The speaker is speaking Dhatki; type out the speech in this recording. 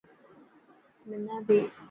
منا ڀهي.